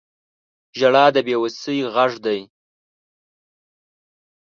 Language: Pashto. • ژړا د بې وسۍ غږ دی.